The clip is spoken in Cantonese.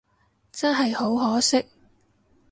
真係好可惜